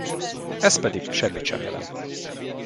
Ez pedig semmit sem jelent.